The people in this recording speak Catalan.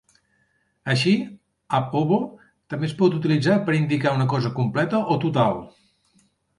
Així, "ab ovo" també es pot utilitzar per indicar una cosa completa o total.